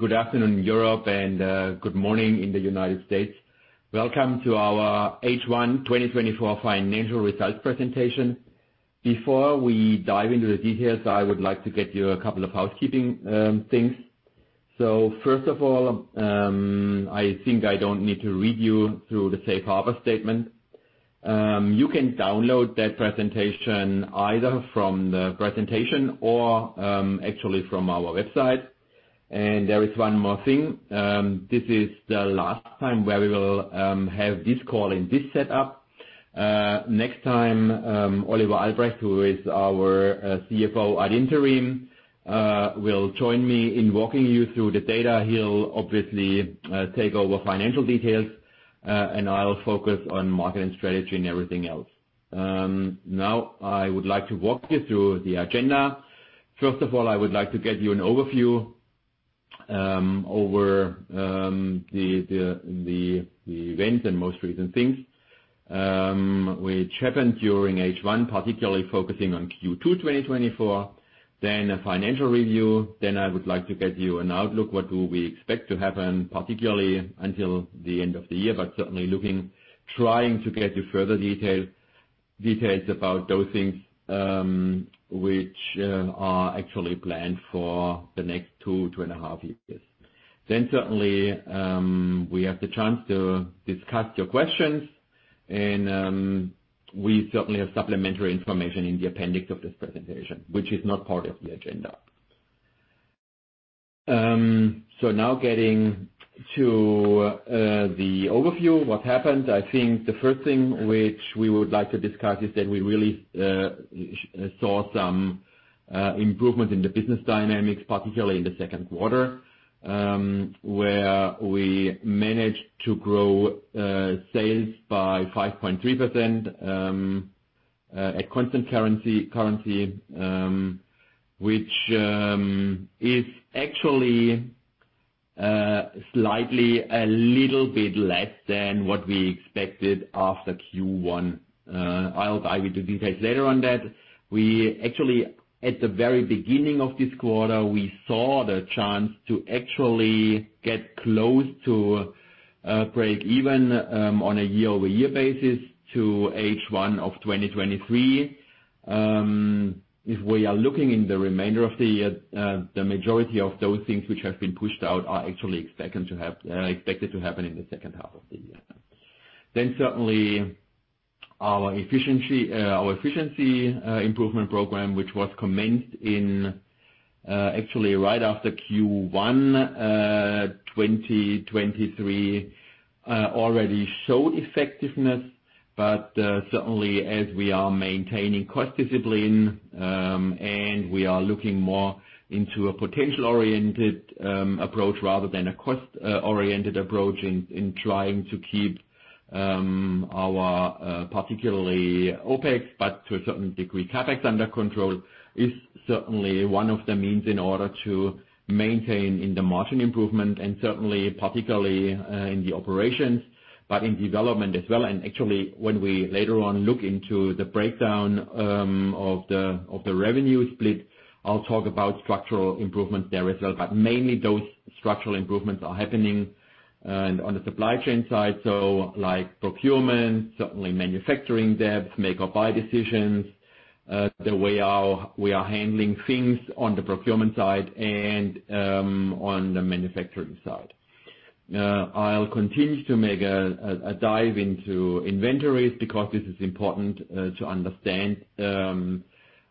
Good afternoon, Europe, and good morning in the United States. Welcome to our H1 2024 financial results presentation. Before we dive into the details, I would like to get you a couple of housekeeping things. So first of all, I think I don't need to read you through the Safe Harbor Statement. You can download that presentation either from the presentation or, actually from our website. And there is one more thing, this is the last time where we will have this call in this setup. Next time, Oliver Albrecht, who is our CFO ad interim, will join me in walking you through the data. He'll obviously take over financial details, and I'll focus on marketing, strategy, and everything else. Now, I would like to walk you through the agenda. First of all, I would like to get you an overview over the events and most recent things which happened during H1, particularly focusing on Q2 2024. Then a financial review, then I would like to get you an outlook, what do we expect to happen, particularly until the end of the year. But certainly looking, trying to get you further details about those things which are actually planned for the next two, two and a half years. Then, certainly, we have the chance to discuss your questions, and we certainly have supplementary information in the appendix of this presentation, which is not part of the agenda. So now getting to the overview, what happened, I think the first thing which we would like to discuss is that we really saw some improvement in the business dynamics, particularly in the second quarter, where we managed to grow sales by 5.3% at constant currency, which is actually slightly a little bit less than what we expected after Q1. I'll dive into details later on that. We actually, at the very beginning of this quarter, we saw the chance to actually get close to break even on a year-over-year basis to H1 of 2023. If we are looking in the remainder of the year, the majority of those things which have been pushed out are actually expected to happen in the second half of the year. Certainly, our efficiency improvement program, which was commenced actually right after Q1 2023, already showed effectiveness. Certainly as we are maintaining cost discipline, and we are looking more into a potential-oriented approach rather than a cost oriented approach in trying to keep our particularly OpEx, but to a certain degree, CapEx under control, is certainly one of the means in order to maintain in the margin improvement and certainly, particularly, in the operations, but in development as well. Actually, when we later on look into the breakdown of the revenue split, I'll talk about structural improvements there as well. But mainly, those structural improvements are happening on the supply chain side, so like procurement, certainly manufacturing depth, make or buy decisions, the way we are handling things on the procurement side and on the manufacturing side. I'll continue to make a dive into inventories, because this is important to understand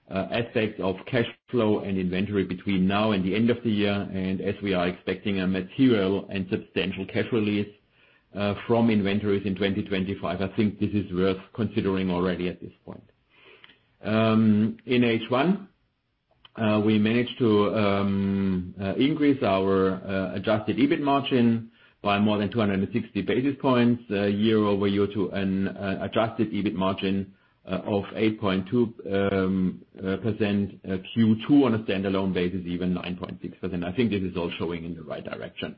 aspects of cash flow and inventory between now and the end of the year. And as we are expecting a material and substantial cash release from inventories in 2025, I think this is worth considering already at this point. In H1, we managed to increase our Adjusted EBIT margin by more than 260 basis points year-over-year to an Adjusted EBIT margin of 8.2%. Q2 on a standalone basis, even 9.6%. I think this is all showing in the right direction.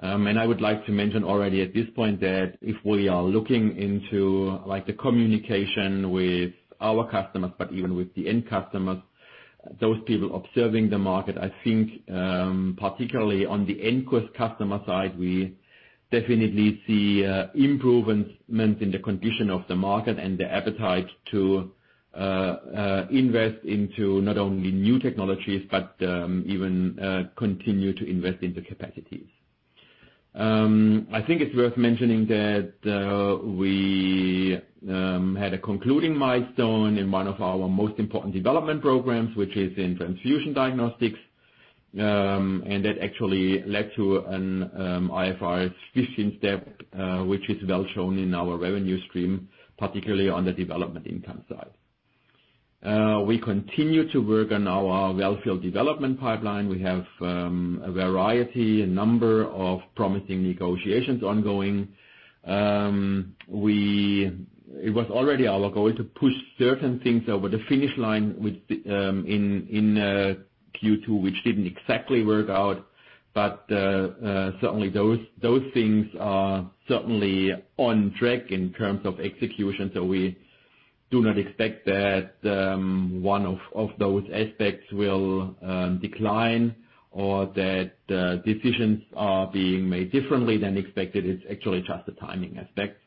I would like to mention already at this point that if we are looking into, like, the communication with our customers, but even with the end customers, those people observing the market, I think, particularly on the end customer side, we definitely see improvement in the condition of the market and the appetite to invest into not only new technologies, but even continue to invest in the capacities. I think it's worth mentioning that we had a concluding milestone in one of our most important development programs, which is in transfusion diagnostics. That actually led to an IFRS step, which is well shown in our revenue stream, particularly on the development income side. We continue to work on our well-filled development pipeline. We have a variety, a number of promising negotiations ongoing. It was already our goal to push certain things over the finish line in Q2, which didn't exactly work out. But certainly those things are certainly on track in terms of execution, so we do not expect that one of those aspects will decline or that decisions are being made differently than expected. It's actually just a timing aspect.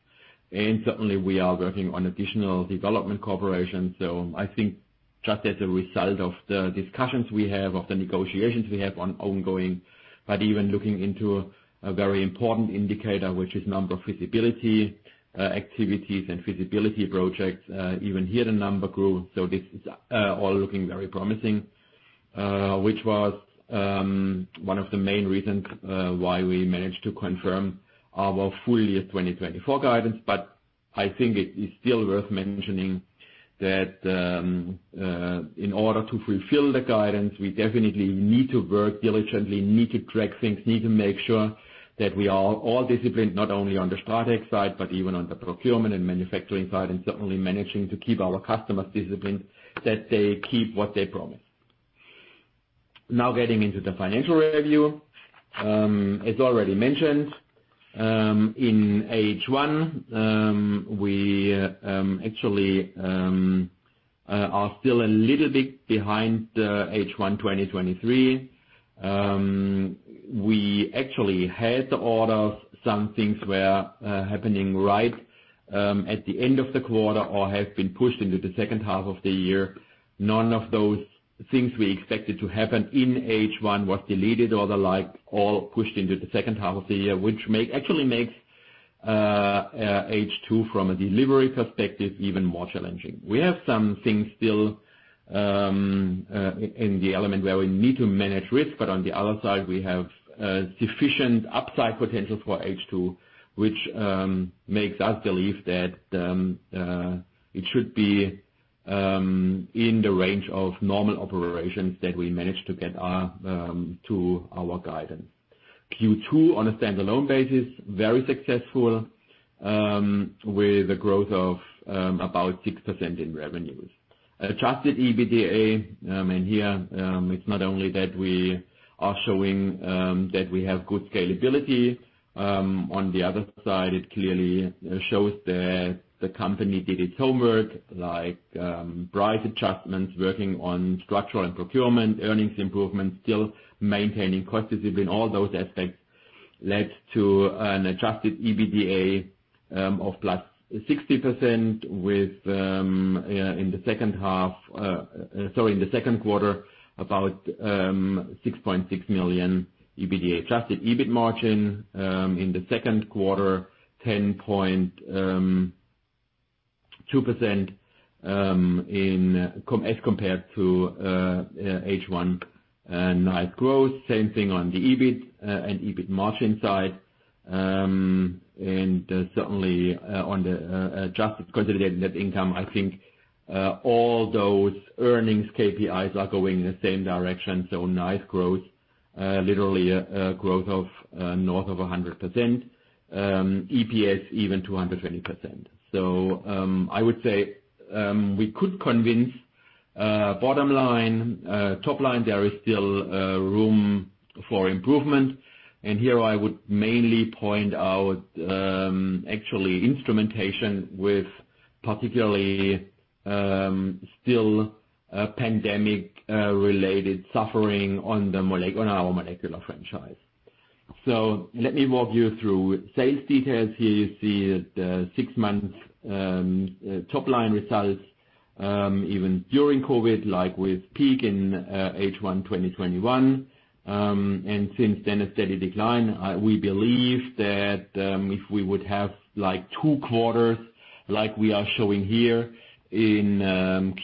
Certainly, we are working on additional development cooperation. I think just as a result of the discussions we have, of the negotiations we have ongoing, but even looking into a very important indicator, which is number of feasibility activities, and feasibility projects, even here, the number grew. This is all looking very promising, which was one of the main reasons why we managed to confirm our full year 2024 guidance. But I think it is still worth mentioning that in order to fulfill the guidance, we definitely need to work diligently, need to track things, need to make sure that we are all disciplined, not only on the strategic side, but even on the procurement and manufacturing side, and certainly managing to keep our customers disciplined, that they keep what they promise. Now, getting into the financial review. As already mentioned, in H1, we actually are still a little bit behind H1 2023. We actually had the orders. Some things were happening right at the end of the quarter or have been pushed into the second half of the year. None of those things we expected to happen in H1 was deleted or the like, all pushed into the second half of the year, which actually makes H2, from a delivery perspective, even more challenging. We have some things still in the element where we need to manage risk, but on the other side, we have sufficient upside potential for H2, which makes us believe that it should be in the range of normal operations that we managed to get to our guidance. Q2, on a standalone basis, very successful with a growth of about 6% in revenues. Adjusted EBITDA, and here it's not only that we are showing that we have good scalability. On the other side, it clearly shows that the company did its homework, like price adjustments, working on structural and procurement earnings improvements, still maintaining cost discipline. All those aspects led to an adjusted EBITDA of +60% with in the second half sorry in the second quarter about 6.6 million EUR EBITDA. Adjusted EBIT margin in the second quarter 10.2% in com- as compared to H1 nice growth. Same thing on the EBIT and EBIT margin side. And certainly on the adjusted consolidated net income, I think all those earnings KPIs are going in the same direction, so nice growth. Literally a growth of north of 100%. EPS even 220%. So I would say we could convince bottom line top line there is still room for improvement. Here I would mainly point out, actually, instrumentation with particularly still a pandemic related suffering on our molecular franchise. So let me walk you through sales details. Here you see the six-month top-line results, even during COVID, like with peak in H1 2021, and since then, a steady decline. We believe that, if we would have, like, Q2, like we are showing here in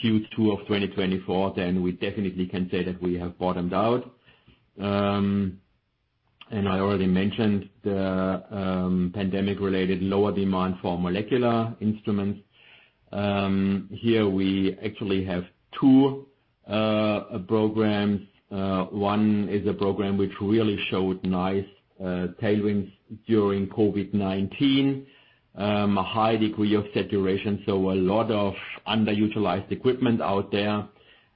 Q2 of 2024, then we definitely can say that we have bottomed out. And I already mentioned the pandemic-related lower demand for molecular instruments. Here we actually have two programs. One is a program which really showed nice tailwinds during COVID-19. A high degree of saturation, so a lot of underutilized equipment out there.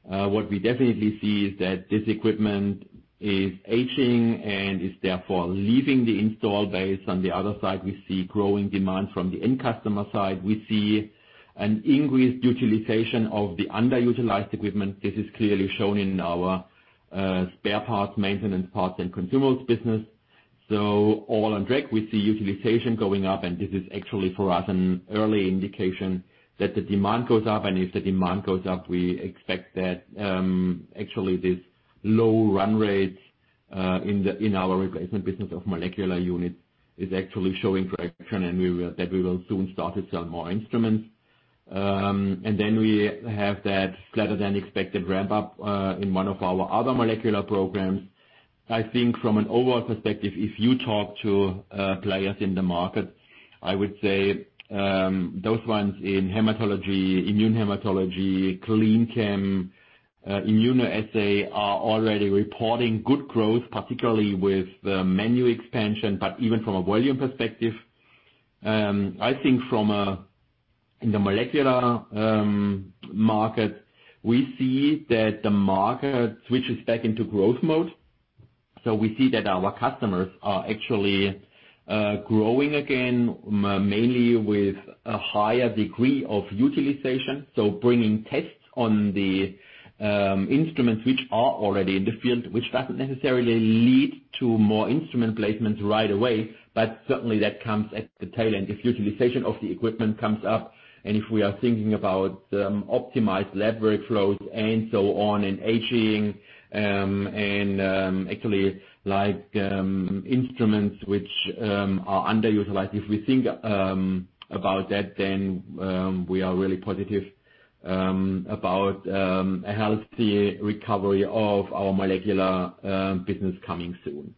What we definitely see is that this equipment is aging and is therefore leaving the install base. On the other side, we see growing demand from the end customer side. We see an increased utilization of the underutilized equipment. This is clearly shown in our spare parts, maintenance parts, and consumables business. So all on track, we see utilization going up, and this is actually, for us, an early indication that the demand goes up. And if the demand goes up, we expect that actually this low run rates in the in our replacement business of molecular units is actually showing traction, and we will soon start to sell more instruments. And then we have that flatter-than-expected ramp-up in one of our other molecular programs. I think from an overall perspective, if you talk to players in the market, I would say those ones in hematology, immunohematology, clinical chemistry, immunoassay, are already reporting good growth, particularly with the menu expansion. But even from a volume perspective, I think from a-- in the molecular market, we see that the market switches back into growth mode. So we see that our customers are actually growing again, mainly with a higher degree of utilization. So bringing tests on the instruments which are already in the field, which doesn't necessarily lead to more instrument placements right away, but certainly that comes at the tail end. If utilization of the equipment comes up, and if we are thinking about optimized laboratory flows and so on, and aging, and actually, like instruments which are underutilized. If we think about that, then we are really positive about a healthy recovery of our molecular business coming soon.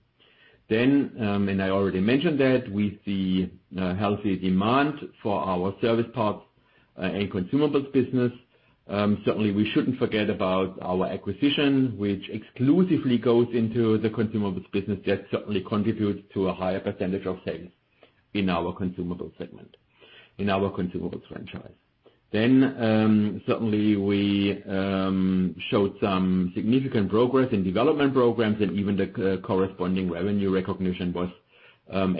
Then, and I already mentioned that, we see healthy demand for our service parts and consumables business. Certainly, we shouldn't forget about our acquisition, which exclusively goes into the consumables business. That certainly contributes to a higher percentage of sales in our consumable segment, in our consumables franchise. Then, certainly we showed some significant progress in development programs, and even the corresponding revenue recognition was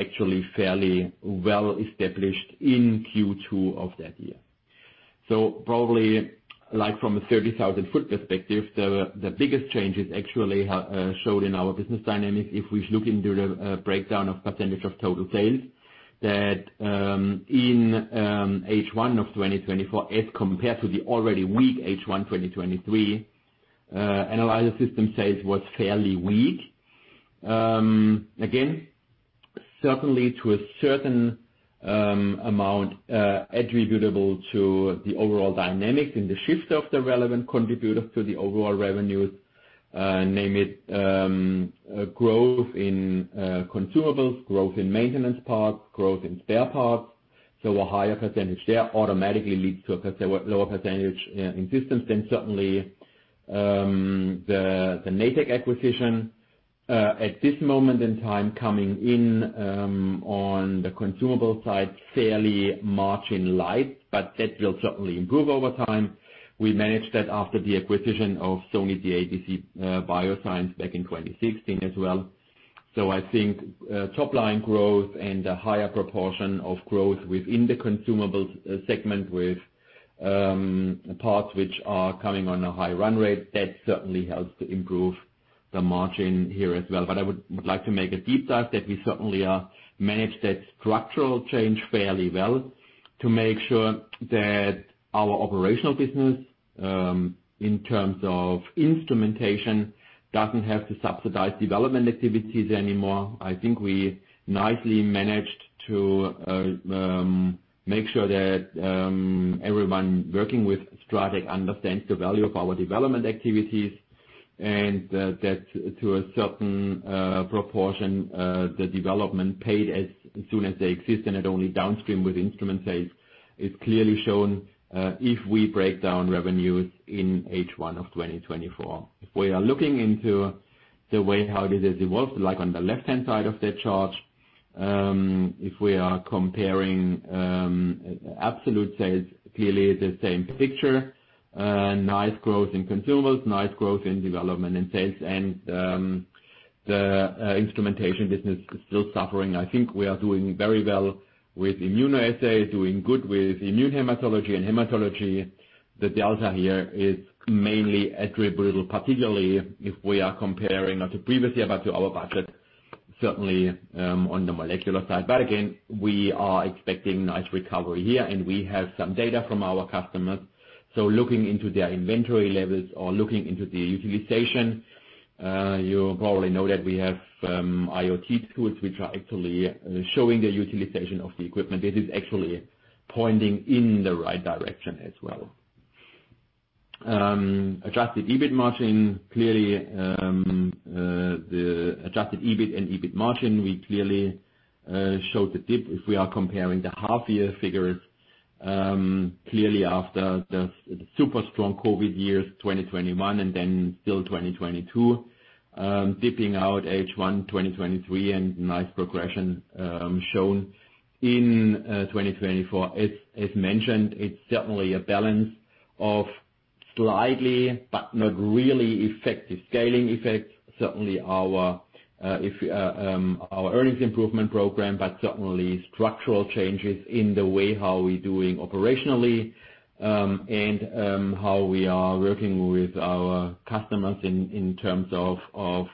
actually fairly well established in Q2 of that year. So probably, like, from a 30,000-foot perspective, the biggest changes actually showed in our business dynamics, if we look into the breakdown of percentage of total sales, in H1 of 2024, as compared to the already weak H1 2023, analyzer system sales was fairly weak. Again, certainly to a certain amount, attributable to the overall dynamics and the shifts of the relevant contributors to the overall revenues, namely, growth in consumables, growth in maintenance parts, growth in spare parts. So a higher percentage there automatically leads to a lower percentage in systems. Then certainly, the Natech acquisition, at this moment in time, coming in on the consumable side, fairly margin light, but that will certainly improve over time. We managed that after the acquisition of Sony DADC BioSciences back in 2016 as well. So I think top line growth and a higher proportion of growth within the consumables segment with parts which are coming on a high run rate, that certainly helps to improve the margin here as well. But I would like to make a deep dive that we certainly managed that structural change fairly well to make sure that our operational business in terms of instrumentation doesn't have to subsidize development activities anymore. I think we nicely managed to make sure that everyone working with STRATEC understands the value of our development activities, and that to a certain proportion the development paid as soon as they exist, and not only downstream with instrument sales, is clearly shown if we break down revenues in H1 of 2024. If we are looking into the way how this has evolved, like on the left-hand side of that chart, if we are comparing absolute sales, clearly the same picture. Nice growth in consumables, nice growth in development and sales, and the instrumentation business is still suffering. I think we are doing very well with immunoassay, doing good with immunohematology and hematology. The delta here is mainly attributable, particularly if we are comparing not to previously, but to our budget, certainly, on the molecular side. But again, we are expecting nice recovery here, and we have some data from our customers. So looking into their inventory levels or looking into the utilization, you probably know that we have IoT tools which are actually showing the utilization of the equipment. It is actually pointing in the right direction as well. Adjusted EBIT margin, clearly, the adjusted EBIT and EBIT margin, we clearly showed a dip if we are comparing the half-year figures. Clearly, after the super strong COVID years, 2021 and then till 2022, dipping out H1 2023, and nice progression shown in 2024. As mentioned, it's certainly a balance of slightly, but not really effective scaling effects, certainly our earnings improvement program, but certainly structural changes in the way how we're doing operationally, and how we are working with our customers in terms of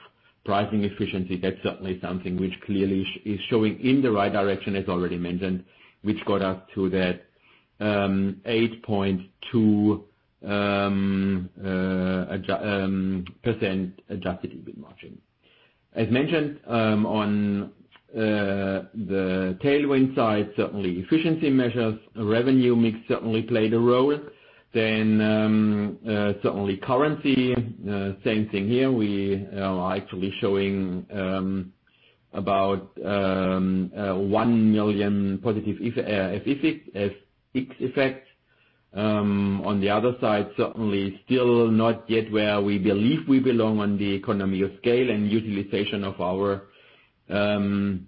pricing efficiency. That's certainly something which clearly is showing in the right direction, as already mentioned, which got us to that 8.2% adjusted EBIT margin. As mentioned, on the tailwind side, certainly efficiency measures, revenue mix certainly played a role. Then, certainly currency, same thing here. We are actually showing about 1 million EUR positive FX effect. On the other side, certainly still not yet where we believe we belong on the economy of scale and utilization of our utilization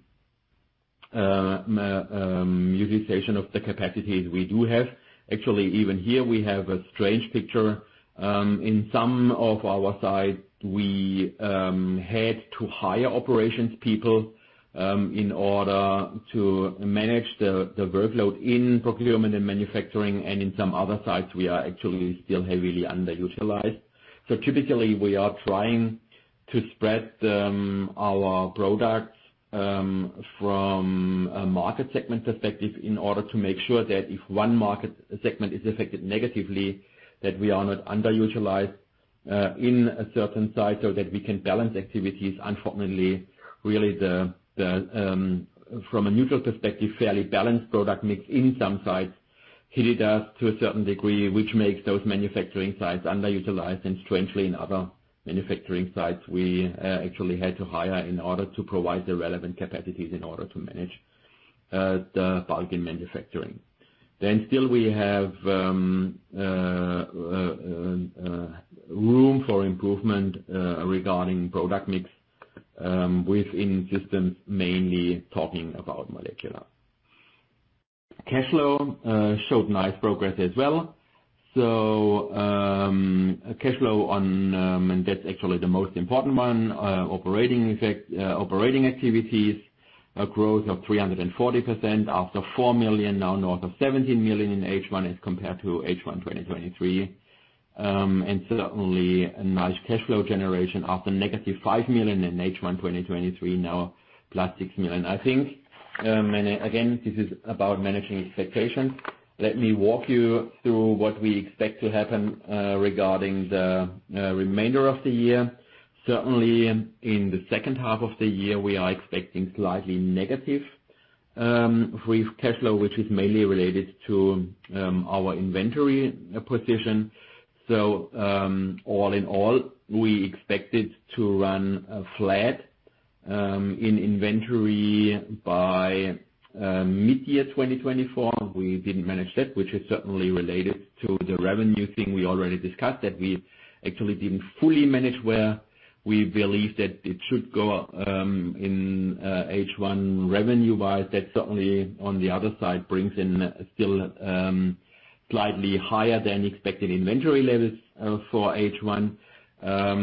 of the capacities we do have. Actually, even here, we have a strange picture. In some of our sites, we had to hire operations people in order to manage the workload in procurement and manufacturing, and in some other sites, we are actually still heavily underutilized. So typically, we are trying to spread our products from a market segment perspective, in order to make sure that if one market segment is affected negatively, that we are not underutilized in a certain site, so that we can balance activities. Unfortunately, really, from a neutral perspective, fairly balanced product mix in some sites hit us to a certain degree, which makes those manufacturing sites underutilized. And strangely, in other manufacturing sites, we actually had to hire in order to provide the relevant capacities in order to manage the bulk in manufacturing. Then still we have room for improvement regarding product mix within systems, mainly talking about molecular. Cash flow showed nice progress as well. So, cash flow from operating activities, a growth of 340% after 4 million EUR, now north of 17 million EUR in H1 as compared to H1 2023. And certainly a nice cash flow generation after negative 5 million EUR in H1 2023, now plus 6 million EUR. I think, and again, this is about managing expectations. Let me walk you through what we expect to happen, regarding the remainder of the year. Certainly, in the second half of the year, we are expecting slightly negative free cash flow, which is mainly related to our inventory position. So, all in all, we expected to run flat in inventory by mid-year 2024. We didn't manage that, which is certainly related to the revenue thing we already discussed, that we actually didn't fully manage where we believe that it should go in H1 revenue-wise. That certainly, on the other side, brings in still slightly higher than expected inventory levels for H1. As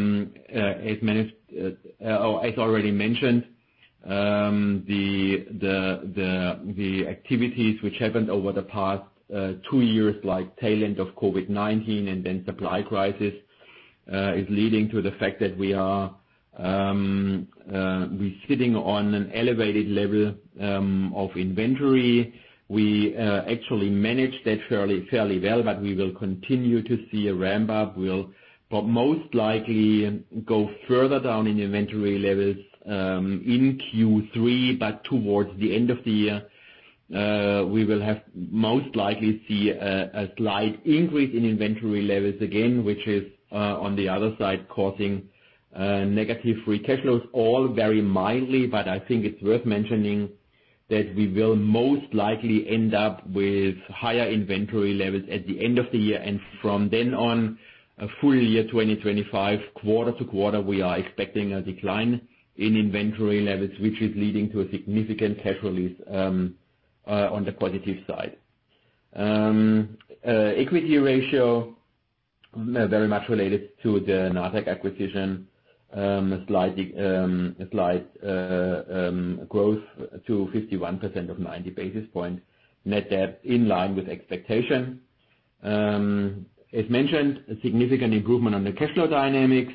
many as already mentioned, the activities which happened over the past two years, like tail end of COVID-19 and then supply crisis, is leading to the fact that we are, we're sitting on an elevated level of inventory. We actually managed that fairly well, but we will continue to see a ramp up. But most likely go further down in inventory levels, in Q3, but towards the end of the year, we will have most likely see a slight increase in inventory levels, again, which is, on the other side, causing negative free cash flows, all very mildly. But I think it's worth mentioning that we will most likely end up with higher inventory levels at the end of the year. From then on, a full year, 2025, quarter to quarter, we are expecting a decline in inventory levels, which is leading to a significant cash release, on the positive side. Equity ratio, very much related to the Natech acquisition, a slight growth to 51% of 90 basis points. Net debt in line with expectation. As mentioned, a significant improvement on the cash flow dynamics.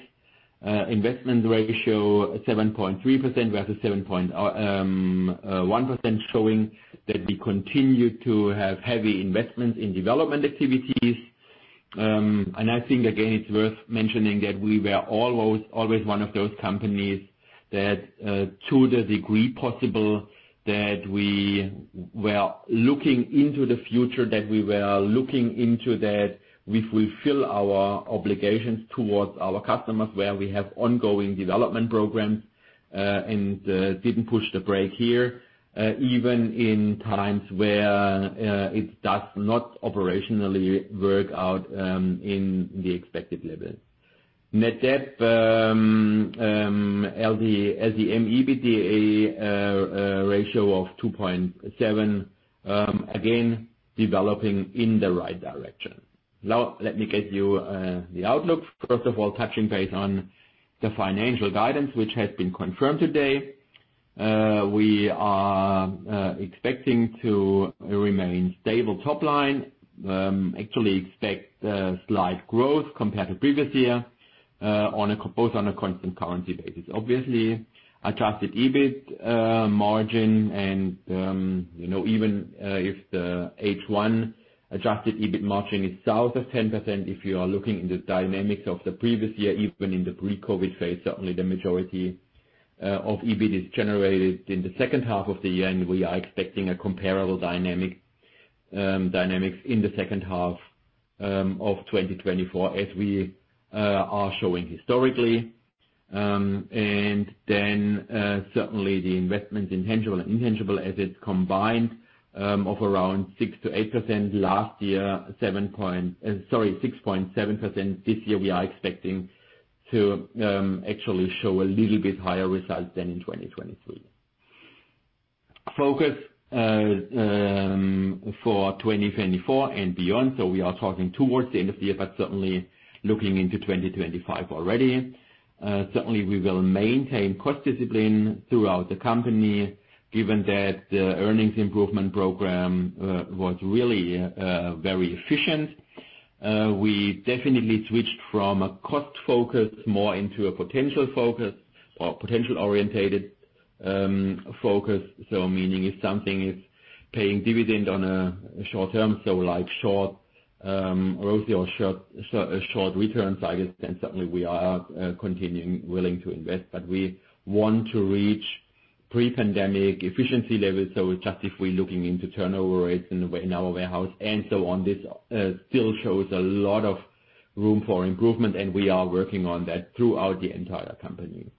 Investment ratio, 7.3%, rather 7.1%, showing that we continue to have heavy investment in development activities. And I think again, it's worth mentioning that we were always, always one of those companies that, to the degree possible, that we were looking into the future, that we, we fill our obligations towards our customers, where we have ongoing development programs, and didn't push the brake here, even in times where it does not operationally work out in the expected level. Net debt, the LTM EBITDA ratio of 2.7, again, developing in the right direction. Now, let me get you the outlook. First of all, touching base on the financial guidance, which has been confirmed today. We are expecting to remain stable top line. Actually expect slight growth compared to previous year, on both a constant currency basis. Obviously, adjusted EBIT margin and, you know, even if the H1 adjusted EBIT margin is south of 10%, if you are looking in the dynamics of the previous year, even in the pre-COVID phase, certainly the majority of EBIT is generated in the second half of the year, and we are expecting a comparable dynamics in the second half of 2024, as we are showing historically. And then, certainly the investment in tangible and intangible assets combined of around 6%-8%. Last year, sorry, 6.7%. This year, we are expecting to actually show a little bit higher results than in 2023. Focus for 2024 and beyond, so we are talking towards the end of the year, but certainly looking into 2025 already. Certainly we will maintain cost discipline throughout the company, given that the earnings improvement program was really very efficient. We definitely switched from a cost focus more into a potential focus or potential-orientated focus. So meaning if something is paying dividend on a short term, so like short or also short return cycles, then certainly we are continuing willing to invest. But we want to reach pre-pandemic efficiency levels, so just if we're looking into turnover rates in our warehouse and so on, this still shows a lot of room for improvement, and we are working on that throughout the entire company.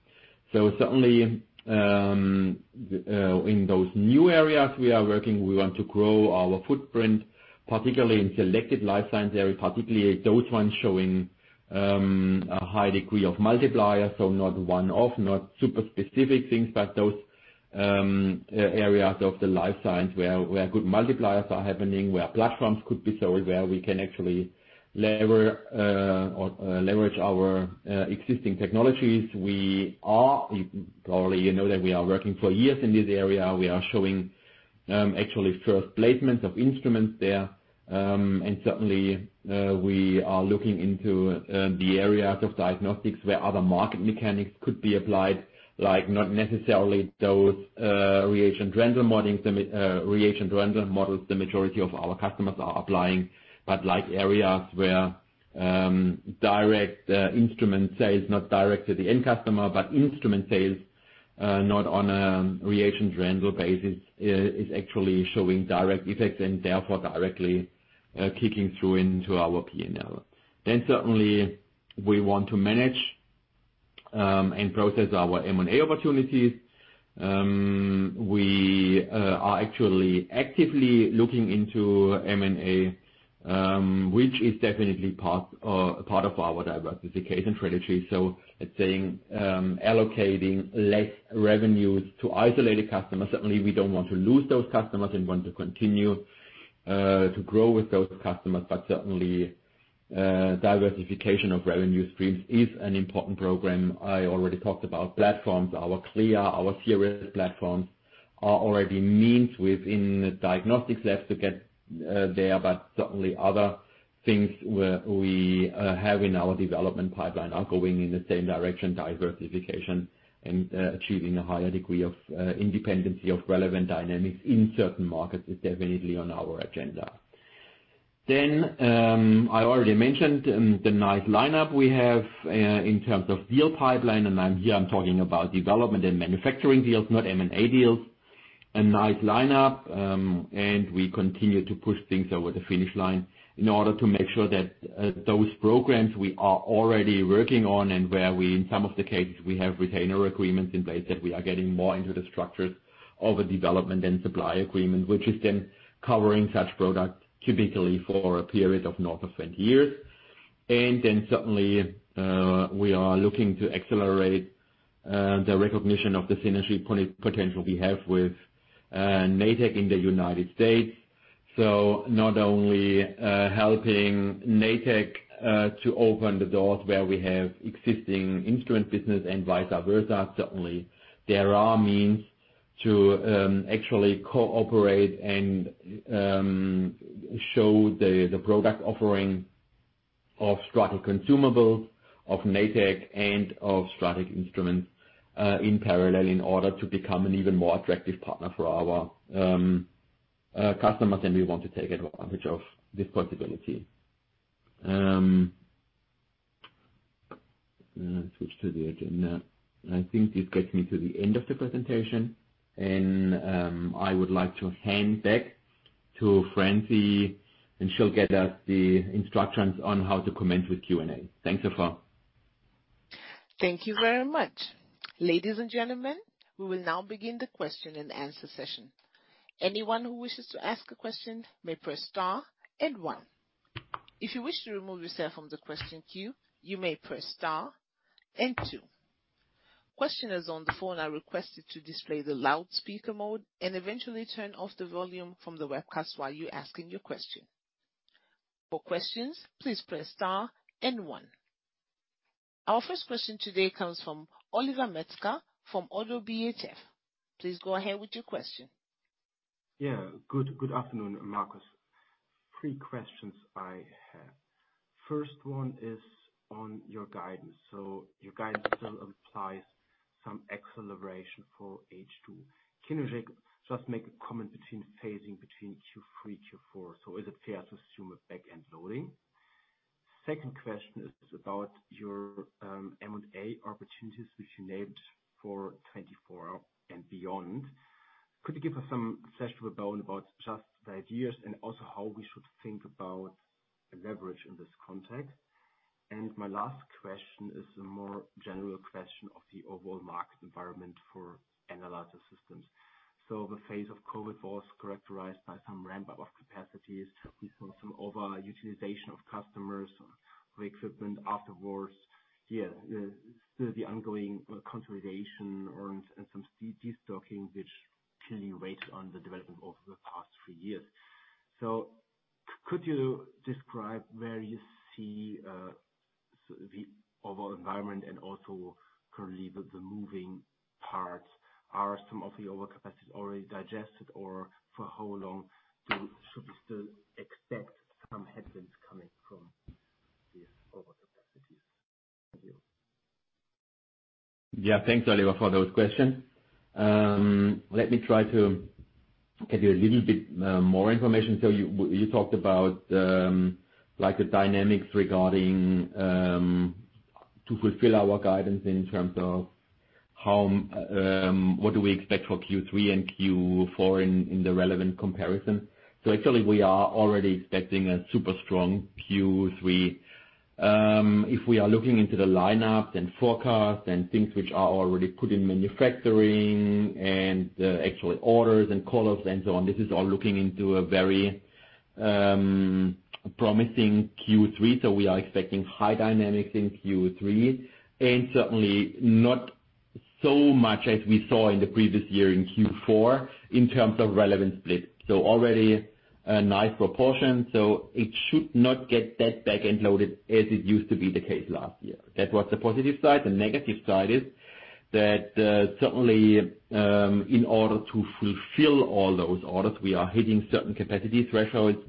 So certainly, in those new areas we are working, we want to grow our footprint, particularly in selected life science area, particularly those ones showing a high degree of multiplier. So not one-off, not super specific things, but those areas of the life science where good multipliers are happening, where platforms could be sold, where we can actually leverage our existing technologies. We are, probably you know that we are working for years in this area. We are showing actually first placements of instruments there. And certainly, we are looking into the areas of diagnostics, where other market mechanics could be applied, like not necessarily those reagent rental modeling, reagent rental models the majority of our customers are applying. But like areas where direct instrument sales, not direct to the end customer, but instrument sales, not on a reagent rental basis, is actually showing direct effects and therefore directly kicking through into our PNL. Then certainly we want to manage and process our M&A opportunities. We are actually actively looking into M&A, which is definitely part part of our diversification strategy. So it's saying allocating less revenues to isolated customers. Certainly, we don't want to lose those customers and want to continue to grow with those customers, but certainly diversification of revenue streams is an important program. I already talked about platforms. Our CLIA platforms are already means within the diagnostics labs to get, there, but certainly other things where we, have in our development pipeline are going in the same direction, diversification and, achieving a higher degree of, independency of relevant dynamics in certain markets is definitely on our agenda. Then, I already mentioned, the nice lineup we have, in terms of deal pipeline, and I'm here, I'm talking about development and manufacturing deals, not M&A deals. A nice lineup, and we continue to push things over the finish line in order to make sure that, those programs we are already working on and where we, in some of the cases, we have retainer agreements in place, that we are getting more into the structures of a development and supply agreement. Which is then covering such products typically for a period of north of 10 years. Then certainly, we are looking to accelerate the recognition of the synergy potential we have with Natech in the United States. So not only helping Natech to open the doors where we have existing instrument business and vice versa. Certainly, there are means to actually cooperate and show the product offering of STRATEC consumables, of Natech, and of STRATEC instruments in parallel, in order to become an even more attractive partner for our customers, and we want to take advantage of this possibility. Let me switch to the agenda. I think this gets me to the end of the presentation, and I would like to hand back to Franci, and she'll get us the instructions on how to commence with Q&A. Thanks so far. Thank you very much. Ladies and gentlemen, we will now begin the question-and-answer session. Anyone who wishes to ask a question may press star and one. If you wish to remove yourself from the question queue, you may press star and two. Questioners on the phone are requested to display the loudspeaker mode and eventually turn off the volume from the webcast while you're asking your question. For questions, please press star and one. Our first question today comes from Oliver Metzger from ODDO BHF. Please go ahead with your question. Yeah, good afternoon, Marcus. Three questions I have. First one is on your guidance. So your guidance still applies some acceleration for H2. Can you just, just make a comment between phasing between Q3, Q4? So is it fair to assume a back-end loading? Second question is about your M&A opportunities, which you named for 2024 and beyond. Could you give us some flesh on the bone about just the ideas and also how we should think about the leverage in this context? And my last question is a more general question of the overall market environment for analyzer systems. So the phase of COVID was characterized by some ramp up of capacities, we saw some over utilization of customers, the equipment afterwards. Yeah, still the ongoing consolidation or, and some destocking, which clearly weighed on the development over the past three years. So could you describe where you see the overall environment and also currently the moving parts? Are some of the overcapacity already digested, or for how long should we still expect some headwinds coming from these overcapacities? Thank you. Yeah. Thanks, Oliver, for those questions. Let me try to get you a little bit more information. So you talked about like the dynamics regarding to fulfill our guidance in terms of how what do we expect for Q3 and Q4 in the relevant comparison? So actually, we are already expecting a super strong Q3. If we are looking into the lineup and forecast and things which are already put in manufacturing and actually orders and call-offs and so on, this is all looking into a very promising Q3. So we are expecting high dynamics in Q3, and certainly not so much as we saw in the previous year in Q4, in terms of relevant split. So already a nice proportion, so it should not get that back-end loaded as it used to be the case last year. That was the positive side. The negative side is that, certainly, in order to fulfill all those orders, we are hitting certain capacity thresholds,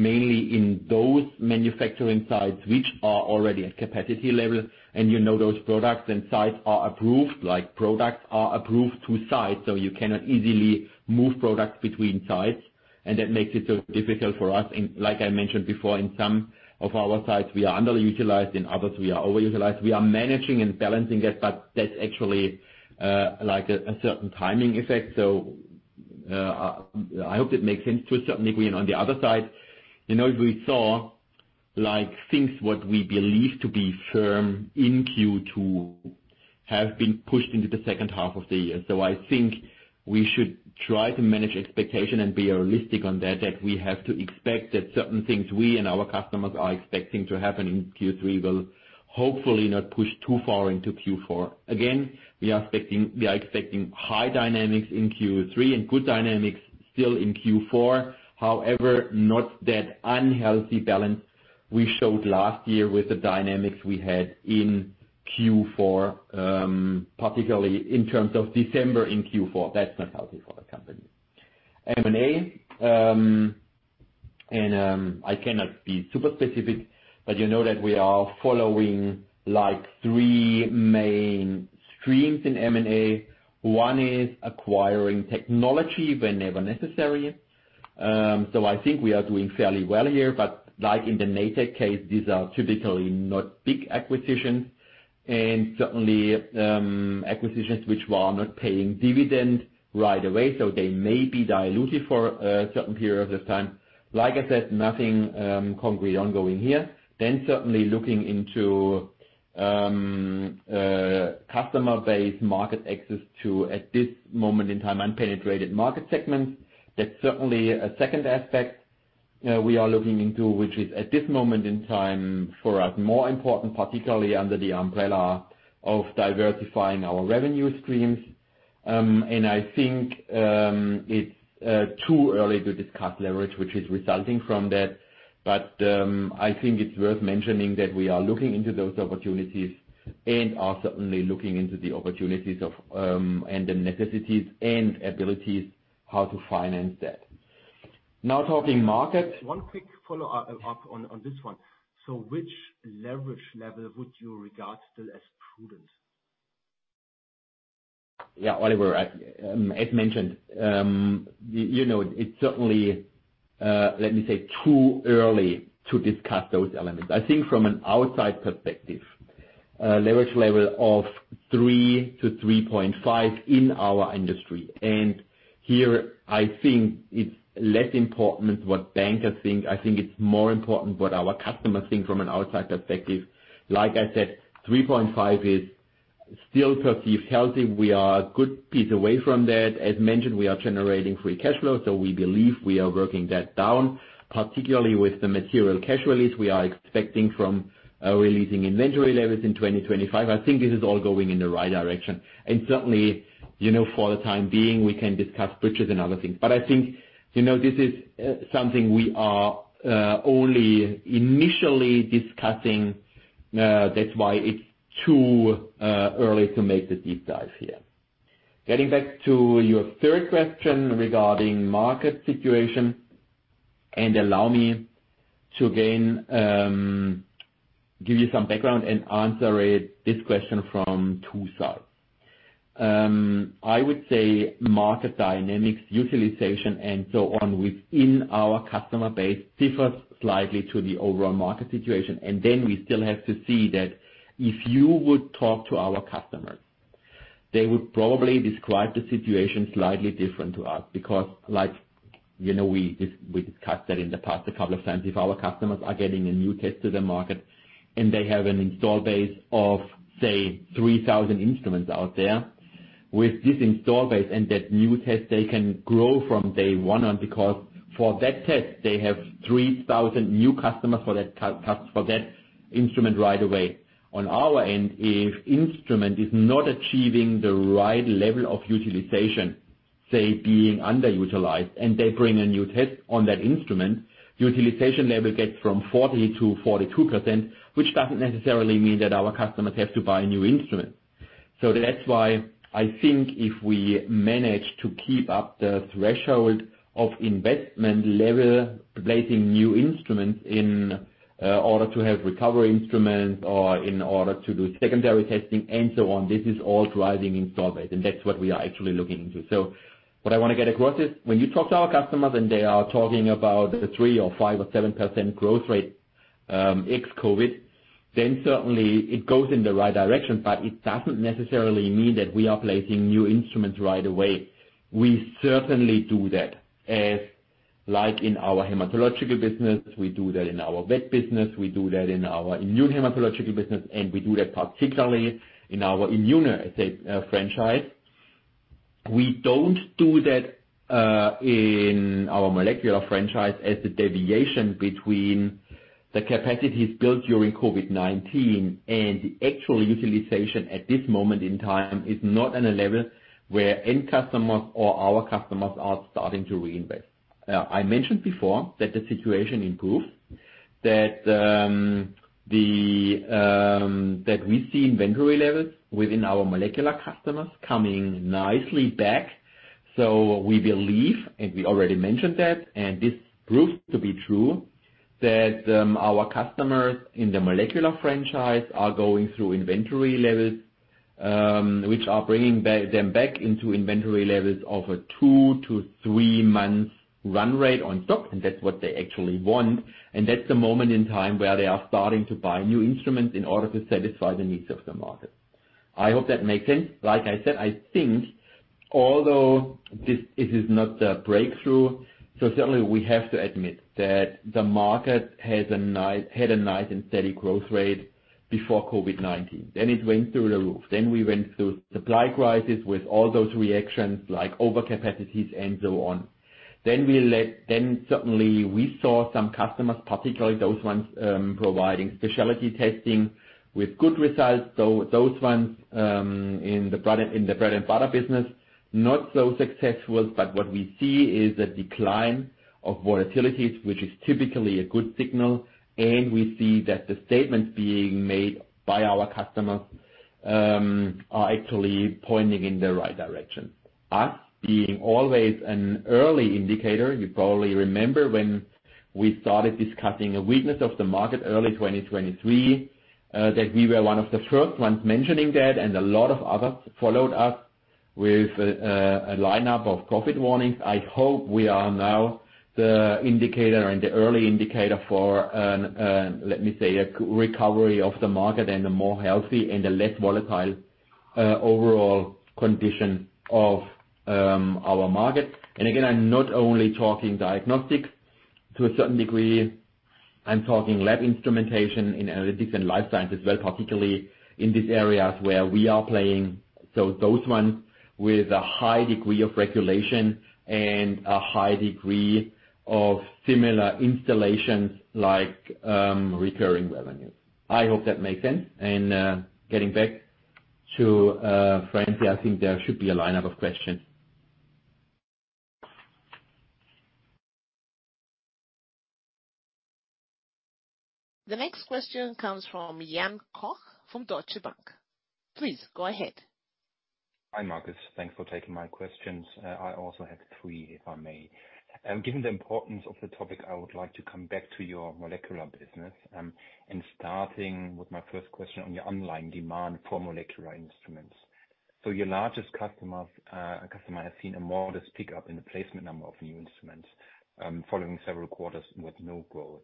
mainly in those manufacturing sites which are already at capacity level. And you know, those products and sites are approved, like products are approved to sites, so you cannot easily move products between sites, and that makes it so difficult for us. And like I mentioned before, in some of our sites, we are underutilized, in others, we are overutilized. We are managing and balancing that, but that's actually, like a certain timing effect. So, I hope that makes sense. To a certain degree, and on the other side, you know, we saw, like, things what we believed to be firm in Q2 have been pushed into the second half of the year. So I think we should try to manage expectation and be realistic on that, that we have to expect that certain things we and our customers are expecting to happen in Q3 will hopefully not push too far into Q4. Again, we are expecting, we are expecting high dynamics in Q3 and good dynamics still in Q4. However, not that unhealthy balance we showed last year with the dynamics we had in Q4, particularly in terms of December in Q4. That's not healthy for the company. M&A and I cannot be super specific, but you know that we are following, like, three main streams in M&A. One is acquiring technology whenever necessary. So I think we are doing fairly well here, but like in the Natech case, these are typically not big acquisitions and certainly acquisitions which are not paying dividend right away, so they may be dilutive for a certain period of time. Like I said, nothing concrete ongoing here. Then certainly looking into customer-based market access to, at this moment in time, unpenetrated market segments. That's certainly a second aspect we are looking into, which is, at this moment in time, for us, more important, particularly under the umbrella of diversifying our revenue streams. And I think it's too early to discuss leverage, which is resulting from that. But I think it's worth mentioning that we are looking into those opportunities and are certainly looking into the opportunities of and the necessities and abilities, how to finance that. Now, talking markets- One quick follow-up, on this one. So which leverage level would you regard still as prudent? Yeah, Oliver, I, as mentioned, you know, it's certainly, let me say, too early to discuss those elements. I think from an outside perspective, a leverage level of 3-3.5 in our industry, and here I think it's less important what bankers think. I think it's more important what our customers think from an outside perspective. Like I said, 3.5 is still perceived healthy. We are a good piece away from that. As mentioned, we are generating free cash flow, so we believe we are working that down, particularly with the material cash release we are expecting from releasing inventory levels in 2025. I think this is all going in the right direction, and certainly, you know, for the time being, we can discuss bridges and other things. I think, you know, this is something we are only initially discussing. That's why it's too early to make the deep dive here. Getting back to your third question regarding market situation, and allow me to again give you some background and answer it, this question from two sides. I would say market dynamics, utilization, and so on within our customer base differs slightly to the overall market situation. And then we still have to see that if you would talk to our customers, they would probably describe the situation slightly different to us, because you know, we just, we discussed that in the past a couple of times. If our customers are getting a new test to the market, and they have an install base of, say, 3,000 instruments out there, with this install base and that new test, they can grow from day one on, because for that test, they have 3,000 new customers for that for that instrument right away. On our end, if instrument is not achieving the right level of utilization, say, being underutilized, and they bring a new test on that instrument, utilization level gets from 40% to 42%, which doesn't necessarily mean that our customers have to buy a new instrument. So that's why I think if we manage to keep up the threshold of investment level, placing new instruments in order to have recovery instruments or in order to do secondary testing and so on, this is all driving install base, and that's what we are actually looking into. So what I want to get across is, when you talk to our customers and they are talking about the 3% or 5% or 7% growth rate, ex-COVID, then certainly it goes in the right direction, but it doesn't necessarily mean that we are placing new instruments right away. We certainly do that, as like in our hematological business, we do that in our vet business, we do that in our immunohematology business, and we do that particularly in our immunoassay, franchise. We don't do that in our molecular franchise, as the deviation between the capacities built during COVID-19 and the actual utilization at this moment in time is not on a level where end customers or our customers are starting to reinvest. I mentioned before that the situation improved, that we see inventory levels within our molecular customers coming nicely back. So we believe, and we already mentioned that, and this proves to be true, that our customers in the molecular franchise are going through inventory levels, which are bringing them back into inventory levels of a two to three months run rate on stock, and that's what they actually want. And that's the moment in time where they are starting to buy new instruments in order to satisfy the needs of the market. I hope that makes sense. Like I said, I think although this, this is not a breakthrough, so certainly we have to admit that the market had a nice and steady growth rate before COVID-19. Then it went through the roof, then we went through supply crisis with all those reactions, like over capacities and so on. Then certainly we saw some customers, particularly those ones, providing specialty testing with good results. So those ones, in the product, in the bread and butter business, not so successful. But what we see is a decline of volatilities, which is typically a good signal, and we see that the statements being made by our customers are actually pointing in the right direction. Us, being always an early indicator, you probably remember when we started discussing a weakness of the market early 2023, that we were one of the first ones mentioning that, and a lot of others followed us with a lineup of profit warnings. I hope we are now the indicator and the early indicator for, let me say, a recovery of the market and a more healthy and a less volatile overall condition of our market. And again, I'm not only talking diagnostics. To a certain degree, I'm talking lab instrumentation in analytics and life science as well, particularly in these areas where we are playing. So those ones with a high degree of regulation and a high degree of similar installations like recurring revenues. I hope that makes sense. Getting back to Franci, I think there should be a lineup of questions. The next question comes from Jan Koch, from Deutsche Bank. Please go ahead. Hi, Marcus. Thanks for taking my questions. I also have three, if I may. Given the importance of the topic, I would like to come back to your molecular business, and starting with my first question on your online demand for molecular instruments. So your largest customers, customer, has seen a modest pickup in the placement number of new instruments, following several quarters with no growth.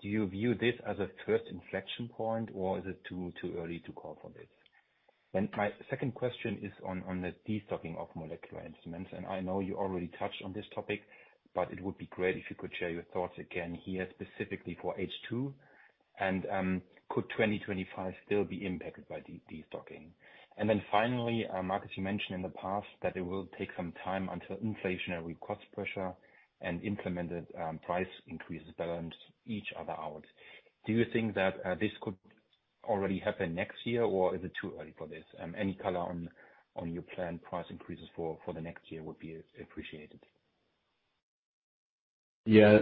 Do you view this as a first inflection point, or is it too, too early to call for this? Then my second question is on the destocking of molecular instruments, and I know you already touched on this topic, but it would be great if you could share your thoughts again here, specifically for H2. And, could 2025 still be impacted by destocking? And then finally, Marcus, you mentioned in the past that it will take some time until inflationary cost pressure and implemented price increases balance each other out. Do you think that this could already happen next year, or is it too early for this? Any color on your planned price increases for the next year would be appreciated. Yeah,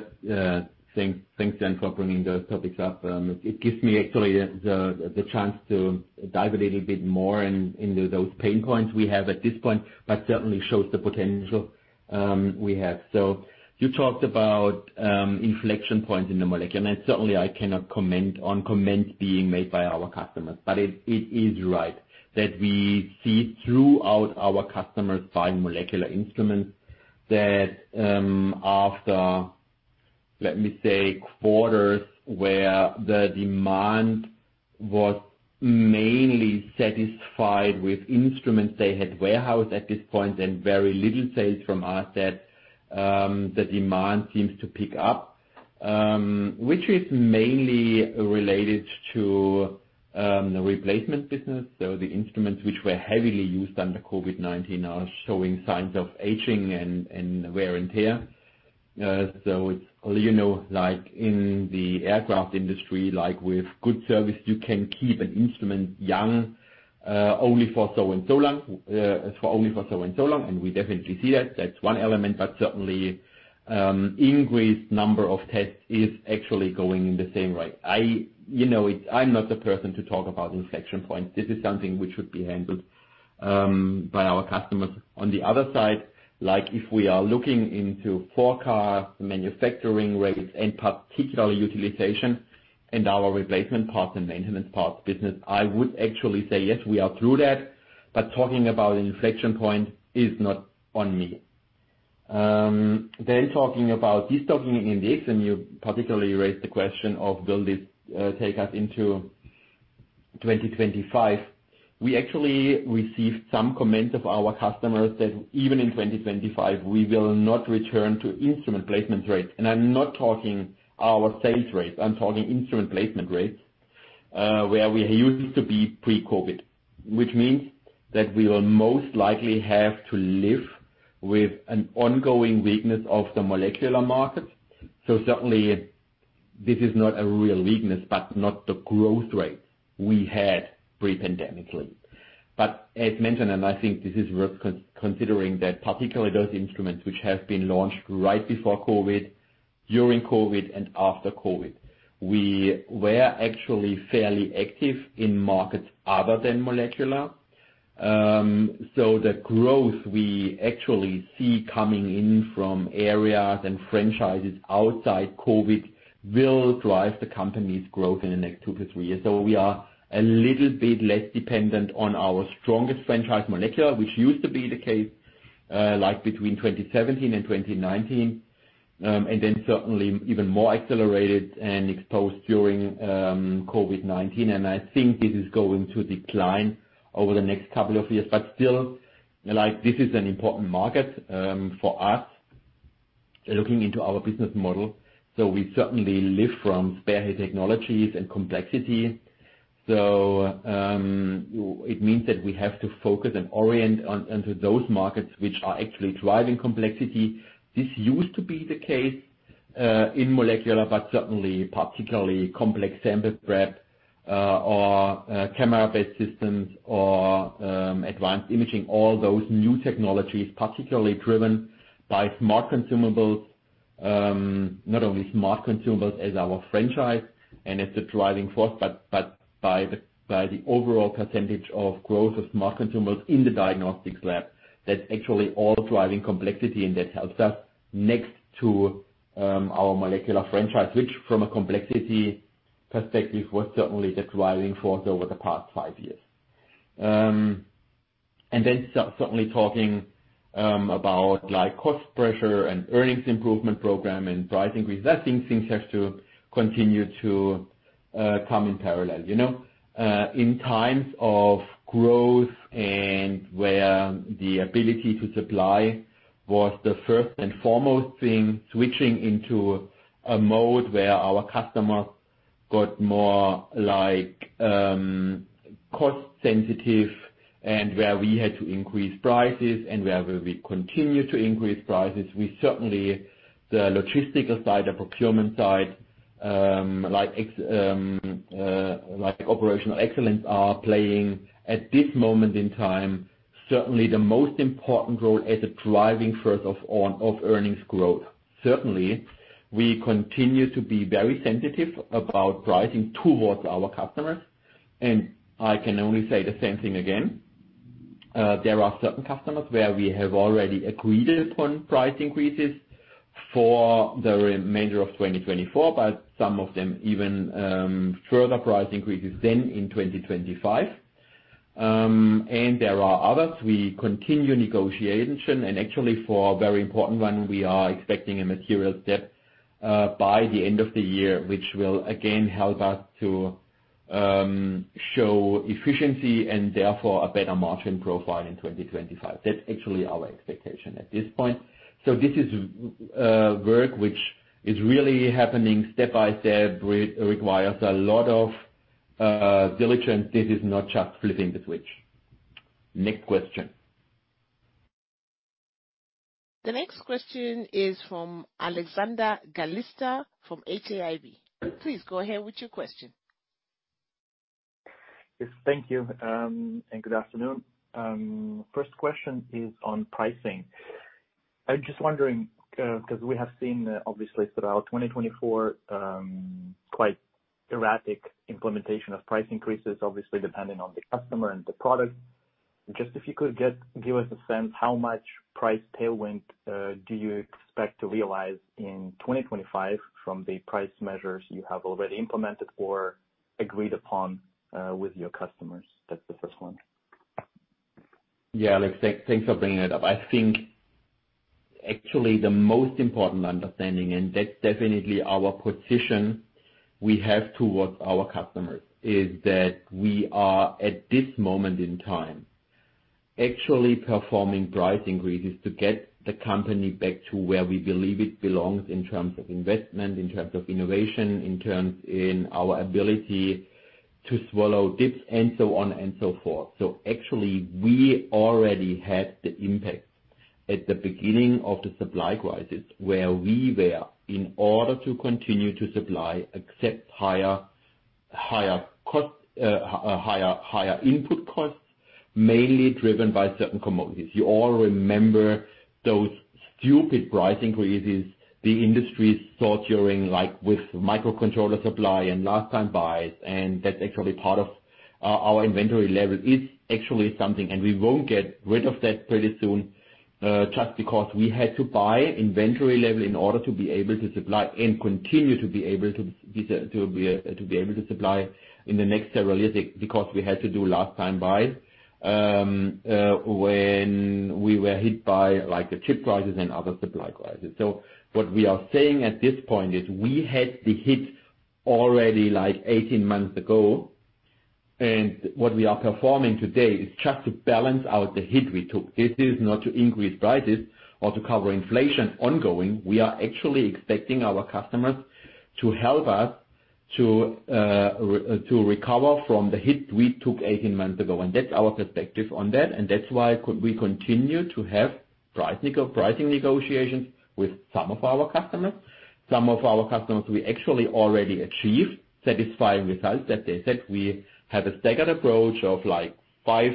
thanks, thanks, Jan, for bringing those topics up. It gives me actually the chance to dive a little bit more into those pain points we have at this point, but certainly shows the potential we have. So you talked about inflection points in the molecular, and certainly I cannot comment on comments being made by our customers. But it is right that we see throughout our customers buying molecular instruments that, let me say, quarters where the demand was mainly satisfied with instruments they had warehoused at this point, and very little sales from us, that the demand seems to pick up, which is mainly related to the replacement business. So the instruments which were heavily used under COVID-19 are showing signs of aging and wear and tear. So it's, you know, like in the aircraft industry, like, with good service, you can keep an instrument young, only for so and so long, for only for so and so long, and we definitely see that. That's one element, but certainly, increased number of tests is actually going in the same way. You know, I'm not the person to talk about inflection point. This is something which should be handled, by our customers. On the other side, like, if we are looking into forecast, manufacturing rates, and particular utilization in our replacement parts and maintenance parts business, I would actually say, yes, we are through that, but talking about inflection point is not on me. Then talking about stocking index, and you particularly raised the question of will this take us into 2025? We actually received some comments of our customers that even in 2025, we will not return to instrument placement rates. And I'm not talking our sales rates, I'm talking instrument placement rates, where we used to be pre-COVID. Which means that we will most likely have to live with an ongoing weakness of the molecular market. So certainly, this is not a real weakness, but not the growth rate we had pre-pandemically. But as mentioned, and I think this is worth considering, that particularly those instruments which have been launched right before COVID, during COVID, and after COVID, we were actually fairly active in markets other than molecular. So the growth we actually see coming in from areas and franchises outside COVID will drive the company's growth in the next two to three years. So we are a little bit less dependent on our strongest franchise, molecular, which used to be the case, like between 2017 and 2019. And then certainly even more accelerated and exposed during COVID-19. And I think this is going to decline over the next couple of years. But still, like, this is an important market, for us, looking into our business model, so we certainly live from spare technologies and complexity. So, it means that we have to focus and orient onto those markets which are actually driving complexity. This used to be the case, in molecular, but certainly particularly complex sample prep, or camera-based systems or advanced imaging. All those new technologies, particularly driven by Smart Consumables, not only Smart Consumables as our franchise and as a driving force, but by the overall percentage of growth of Smart Consumables in the diagnostics lab. That's actually all driving complexity, and that helps us next to our molecular franchise, which, from a complexity perspective, was certainly the driving force over the past five years. And then certainly talking, like, about cost pressure and earnings improvement program and pricing, with that, things have to continue to come in parallel. You know, in times of growth and where the ability to supply was the first and foremost thing, switching into a mode where our customer got more like, cost sensitive, and where we had to increase prices and where we continue to increase prices, we certainly, the logistical side, the procurement side, like ex, like operational excellence, are playing, at this moment in time, certainly the most important role as a driving force of earnings growth. Certainly, we continue to be very sensitive about pricing towards our customers, and I can only say the same thing again. There are certain customers where we have already agreed upon price increases for the remainder of 2024, but some of them even, further price increases then in 2025. There are others. We continue negotiation, and actually, for a very important one, we are expecting a material step by the end of the year, which will again help us to show efficiency and therefore a better margin profile in 2025. That's actually our expectation at this point. So this is work which is really happening step by step, requires a lot of diligence. This is not just flipping the switch. Next question. The next question is from Alexander Galitsa from HAIB. Please go ahead with your question. Yes, thank you, and good afternoon. First question is on pricing. I'm just wondering, because we have seen, obviously, throughout 2024, quite erratic implementation of price increases, obviously depending on the customer and the product. Just if you could just give us a sense, how much price tailwind, do you expect to realize in 2025 from the price measures you have already implemented or agreed upon, with your customers? That's the first one.... Yeah, Alex, thanks, thanks for bringing that up. I think actually the most important understanding, and that's definitely our position we have towards our customers, is that we are, at this moment in time, actually performing price increases to get the company back to where we believe it belongs in terms of investment, in terms of innovation, in terms, in our ability to swallow dips, and so on and so forth. So actually, we already had the impact at the beginning of the supply crisis, where we were, in order to continue to supply, accept higher, higher cost, higher, higher input costs, mainly driven by certain commodities. You all remember those stupid price increases the industry saw during, like, with microcontroller supply and last time buys, and that's actually part of our inventory level, is actually something, and we won't get rid of that pretty soon, just because we had to buy inventory level in order to be able to supply and continue to be able to supply in the next several years, because we had to do last time buys, when we were hit by, like, the chip prices and other supply prices. So what we are saying at this point is we had the hit already, like, 18 months ago, and what we are performing today is just to balance out the hit we took. This is not to increase prices or to cover inflation ongoing. We are actually expecting our customers to help us to to recover from the hit we took 18 months ago, and that's our perspective on that, and that's why could we continue to have pricing negotiations with some of our customers. Some of our customers, we actually already achieved satisfying results. That they said we have a staggered approach of, like, 5%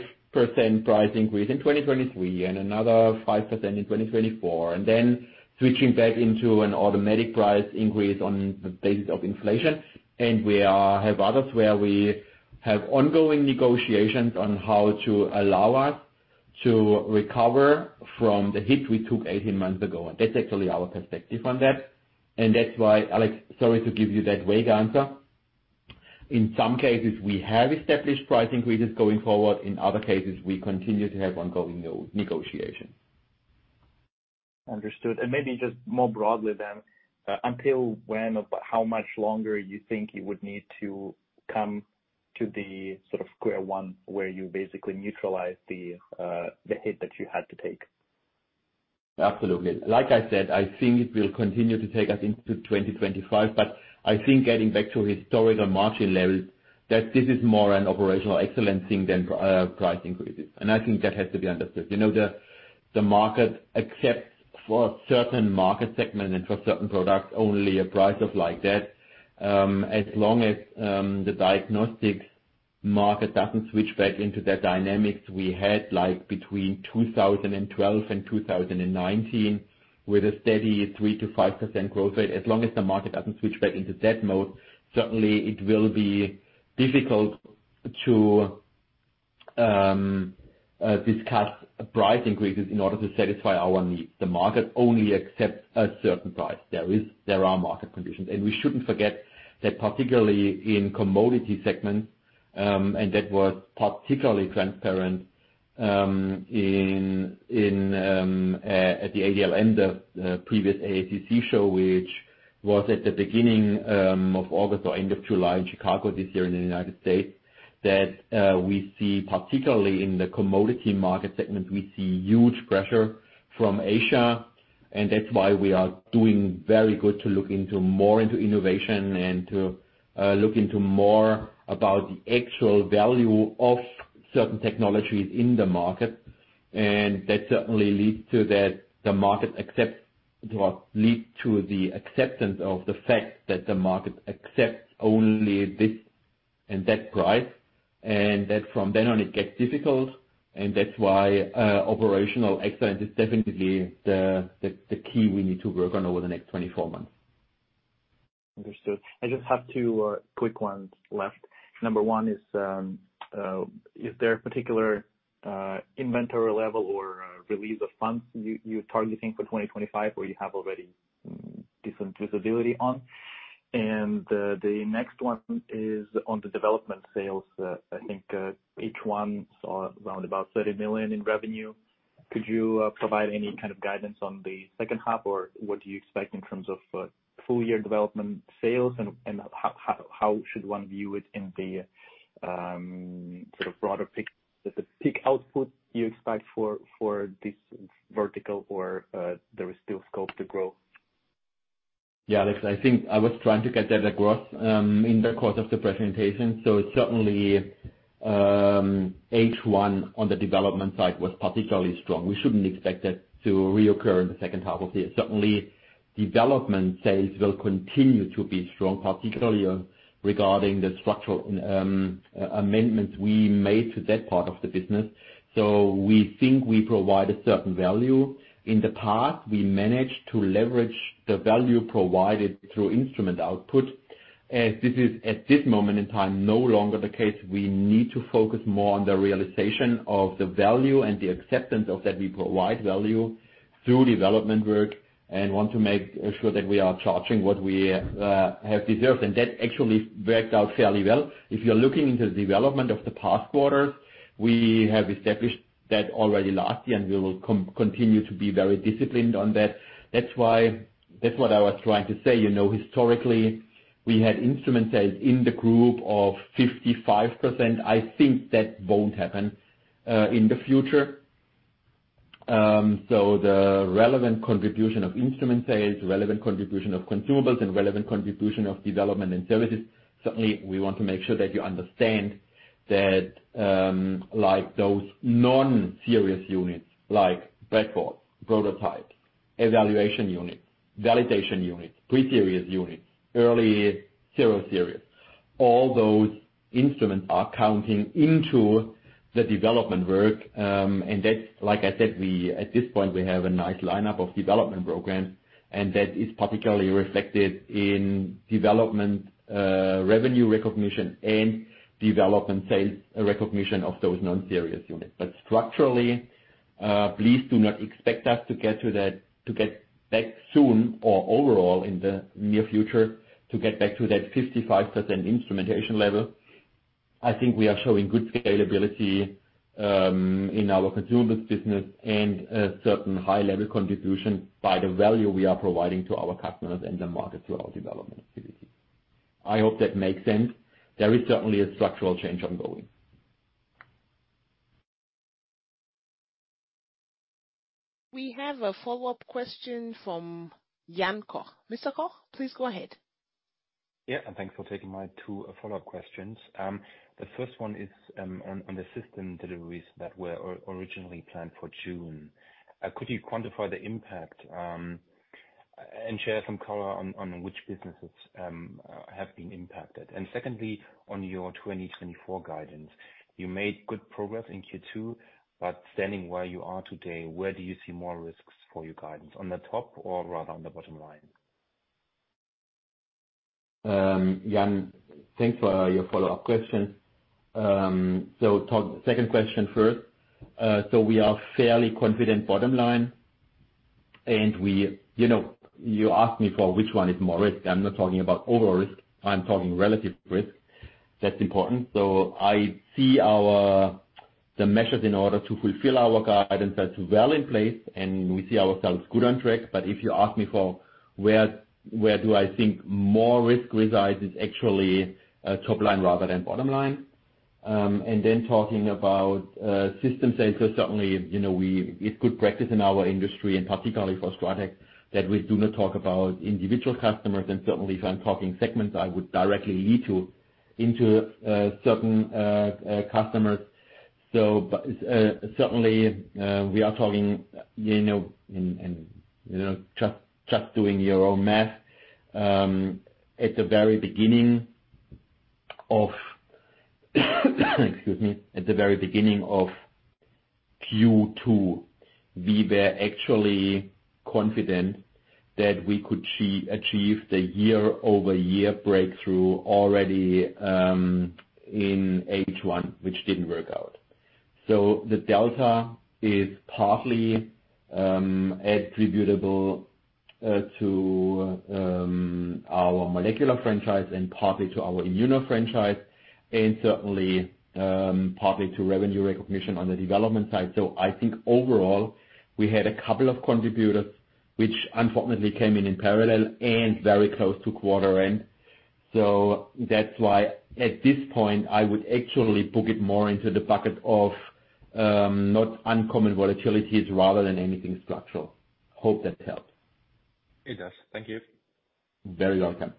price increase in 2023 and another 5% in 2024, and then switching back into an automatic price increase on the basis of inflation. And we have others where we have ongoing negotiations on how to allow us to recover from the hit we took 18 months ago. And that's actually our perspective on that, and that's why, Alex, sorry to give you that vague answer. In some cases, we have established price increases going forward. In other cases, we continue to have ongoing negotiations. Understood. And maybe just more broadly then, until when or how much longer you think you would need to come to the sort of square one, where you basically neutralize the, the hit that you had to take? Absolutely. Like I said, I think it will continue to take us into 2025, but I think getting back to historical margin levels, that this is more an operational excellence thing than price increases, and I think that has to be understood. You know, the market accepts for certain market segments and for certain products, only a price of like that. As long as the diagnostics market doesn't switch back into the dynamics we had, like between 2012 and 2019, with a steady 3%-5% growth rate. As long as the market doesn't switch back into that mode, certainly it will be difficult to discuss price increases in order to satisfy our needs. The market only accepts a certain price. There is, there are market conditions. We shouldn't forget that particularly in commodity segments, and that was particularly transparent at the ADLM, the previous AACC show, which was at the beginning of August or end of July in Chicago this year in the United States, that we see particularly in the commodity market segment, we see huge pressure from Asia, and that's why we are doing very good to look into more into innovation and to look into more about the actual value of certain technologies in the market. And that certainly leads to the acceptance of the fact that the market accepts only this and that price, and that from then on, it gets difficult, and that's why operational excellence is definitely the key we need to work on over the next 24 months. Understood. I just have two quick ones left. Number one is, is there a particular inventory level or release of funds you're targeting for 2025, or you have already decent visibility on? And, the next one is on the development sales. I think, H1 saw around about 30 million EUR in revenue. Could you provide any kind of guidance on the second half, or what do you expect in terms of full year development sales, and how should one view it in the sort of broader picture as a peak output you expect for this vertical, or there is still scope to grow? Yeah, Alex, I think I was trying to get at the growth, in the course of the presentation. So certainly, H1 on the development side was particularly strong. We shouldn't expect that to reoccur in the second half of the year. Certainly, development sales will continue to be strong, particularly, regarding the structural, amendments we made to that part of the business. So we think we provide a certain value. In the past, we managed to leverage the value provided through instrument output. This is, at this moment in time, no longer the case. We need to focus more on the realization of the value and the acceptance of that we provide value through development work, and want to make sure that we are charging what we, have deserved, and that actually worked out fairly well. If you're looking into the development of the past quarters, we have established that already last year, and we will continue to be very disciplined on that. That's what I was trying to say. You know, historically, we had instrument sales in the group of 55%. I think that won't happen in the future. So the relevant contribution of instrument sales, relevant contribution of consumables, and relevant contribution of development and services, certainly we want to make sure that you understand that, like those non-series units, like breadboards, prototypes, evaluation units, validation units, pre-series units, early zero series, all those instruments are counting into the development work. And that's like I said, we at this point, we have a nice lineup of development programs, and that is particularly reflected in development revenue recognition and development sales recognition of those non-series units. But structurally, please do not expect us to get to that, to get back soon or overall in the near future, to get back to that 55% instrumentation level. I think we are showing good scalability, in our consumables business and a certain high-level contribution by the value we are providing to our customers and the market through our development activity. I hope that makes sense. There is certainly a structural change ongoing. We have a follow-up question from Jan Koch. Mr. Koch, please go ahead. Yeah, and thanks for taking my two follow-up questions. The first one is on the system deliveries that were originally planned for June. Could you quantify the impact and share some color on which businesses have been impacted? And secondly, on your 2024 guidance, you made good progress in Q2, but standing where you are today, where do you see more risks for your guidance? On the top or rather on the bottom line? Jan, thanks for your follow-up question. So talk second question first. So we are fairly confident bottom line, and we, you know, you asked me for which one is more risk. I'm not talking about overall risk, I'm talking relative risk. That's important. So I see our, the measures in order to fulfill our guidance are well in place, and we see ourselves good on track. But if you ask me for where, where do I think more risk resides, it's actually, top line rather than bottom line. And then talking about, system sales, so certainly, you know, we. It's good practice in our industry, and particularly for STRATEC, that we do not talk about individual customers, and certainly if I'm talking segments, I would directly lead to, into, certain, customers. So, but certainly we are talking, you know, and you know, just doing your own math. At the very beginning of Q2, we were actually confident that we could achieve the year-over-year breakthrough already in H1, which didn't work out. So the delta is partly attributable to our molecular franchise and partly to our immuno franchise, and certainly partly to revenue recognition on the development side. So I think overall, we had a couple of contributors, which unfortunately came in parallel and very close to quarter end. So that's why at this point, I would actually put it more into the bucket of not uncommon volatilities rather than anything structural. Hope that helped. It does. Thank you. Very welcome.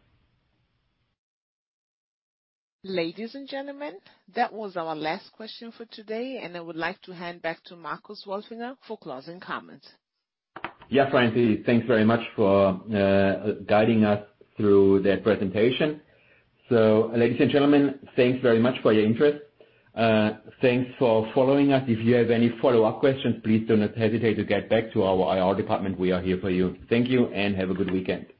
Ladies and gentlemen, that was our last question for today, and I would like to hand back to Marcus Wolfinger for closing comments. Yeah, Franci, thanks very much for guiding us through that presentation. So ladies and gentlemen, thanks very much for your interest. Thanks for following us. If you have any follow-up questions, please do not hesitate to get back to our IR department. We are here for you. Thank you and have a good weekend.